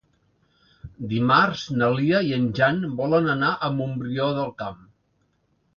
Dimarts na Lia i en Jan volen anar a Montbrió del Camp.